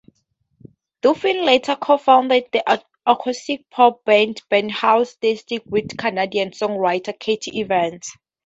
Duffin later co-founded the acoustic pop band Barnhouse Static with Canadian songwriter Kathy Evans.